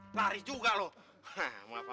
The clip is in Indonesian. lari juga loh